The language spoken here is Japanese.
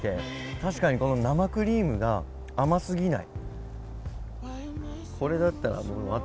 確かに生クリームが甘すぎない。